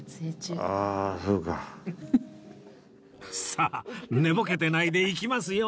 さあ寝ぼけてないで行きますよ！